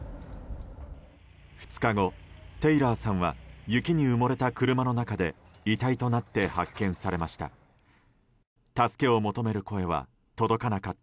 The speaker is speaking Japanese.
２日後、テイラーさんは雪に埋もれた車の中で遺体となって発見されました。